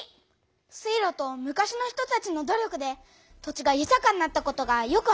水路と昔の人たちの努力で土地がゆたかになったことがよくわかったよ！